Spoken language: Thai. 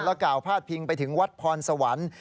กล่าวพาดพิงไปถึงวัดพรสวรรค์